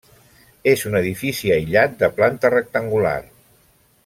És un edifici aïllat de planta rectangular.